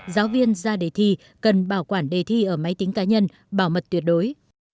giáo viên ra đề thi cần bảo quản đề thi ở máy tính cá nhân bảo mật tuyệt đối